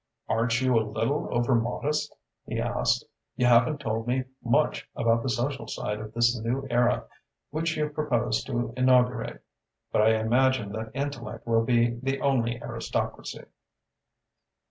"Aren't you a little over modest?" he asked. "You haven't told me much about the social side of this new era which you propose to inaugurate, but I imagine that intellect will be the only aristocracy."